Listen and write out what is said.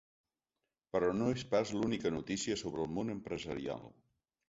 Però no és pas l’única notícia sobre el món empresarial.